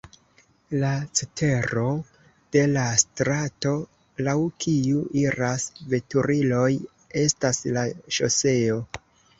La cetero de la strato, laŭ kiu iras veturiloj estas la ŝoseo.